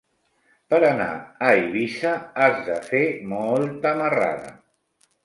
Per anar a Eivissa has de fer molta marrada.